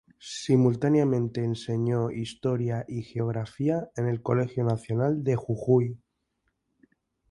Simultáneamente enseñó Historia y Geografía en el Colegio Nacional de Jujuy.